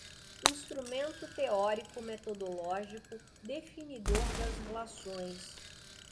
instrumento teórico-metodológico, definidor das relações